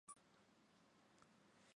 寿至一百一十八岁。